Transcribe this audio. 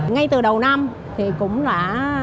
ngay từ đầu năm thì cũng đã